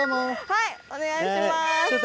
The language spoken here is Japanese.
はいお願いします。